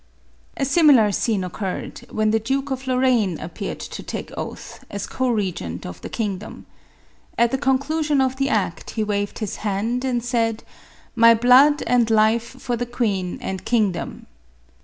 A similar scene occurred, when the Duke of Lor raine appeared to take oath, as co regent of the king dom. At the conclusion of the act, he waved his hand, and said, " My blood and life for the queen and king dom."